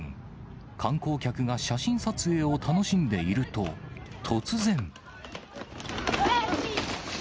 観光客が写真撮影を楽しんでいると、突然。